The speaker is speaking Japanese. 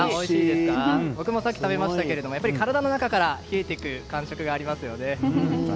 僕もさっき食べましたけど体の中から冷えていく感触がありますよね。